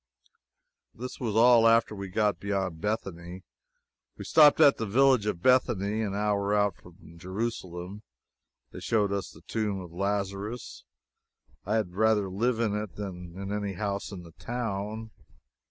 This was all after we got beyond Bethany. We stopped at the village of Bethany, an hour out from Jerusalem. They showed us the tomb of Lazarus. I had rather live in it than in any house in the town.